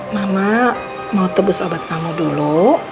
mama mau tebus obat kamu dulu